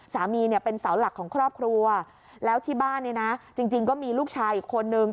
สามีเนี่ยเป็นเสาหลักของครอบครัวแล้วที่บ้านเนี่ยนะจริงก็มีลูกชายอีกคนนึง